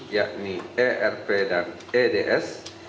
yakni erp dan eds